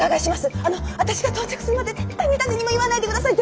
あの私が到着するまで絶対に誰にも言わないで下さい！